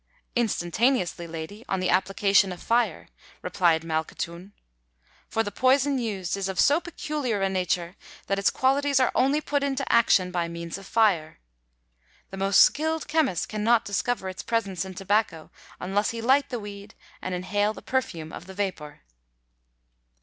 "Instantaneously, lady, on the application of fire," replied Malkhatoun; "for the poison used is of so peculiar a nature that its qualities are only put into action by means of fire. The most skilful chemist cannot discover its presence in tobacco, unless he light the weed and inhale the perfume of the vapour."